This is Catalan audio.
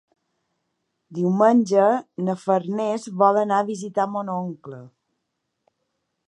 Diumenge na Farners vol anar a visitar mon oncle.